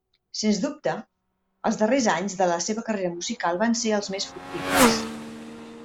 Sens dubte, els darrers anys de la seva carrera musical van ser els més fructífers.